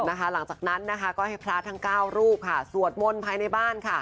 หลังจากนั้นนะคะก็ให้พระทั้ง๙รูปค่ะสวดมนต์ภายในบ้านค่ะ